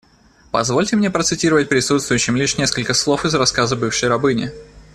Позвольте мне процитировать присутствующим лишь несколько слов из рассказа бывшей рабыни.